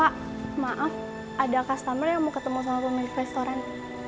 ada customer yang mau ketemu sama pemilik restoran